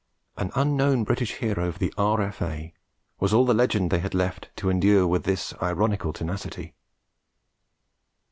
'An Unknown British Hero of the R.F.A.' was all the legend they had left to endure with this ironical tenacity.